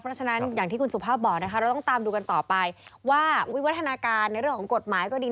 เพราะฉะนั้นอย่างที่คุณสุภาพบอกนะคะเราต้องตามดูกันต่อไปว่าวิวัฒนาการในเรื่องของกฎหมายก็ดี